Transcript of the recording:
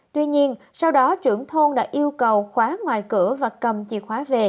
tuy nhiên sau đó trưởng thôn đã yêu cầu khóa ngoài cửa và cầm chìa khóa về